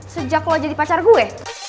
sejak lo jadi pacar gue